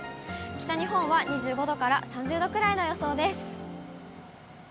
北日本は２５度から３０度くらいの予想です。